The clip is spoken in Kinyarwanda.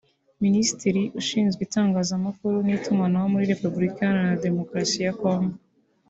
Minisitiri Ushinzwe itangazamakuru n’itumanaho muri Repubulika Iharanira Demokarasi ya Congo